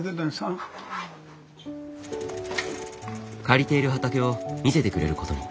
借りている畑を見せてくれることに。